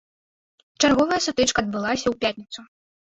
Чарговая сутычка адбылася ў пятніцу.